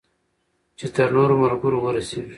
چې تر نورو ملګرو ورسیږي.